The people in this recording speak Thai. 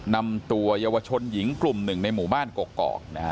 นำตัวเยาวชนหญิงกลุ่มหนึ่งในหมู่บ้านกกอกนะฮะ